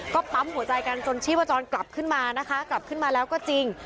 ก็ปั๊มหัวใจกันจนชีพจรกลับขึ้นมานะคะกลับขึ้นมาแล้วก็จริง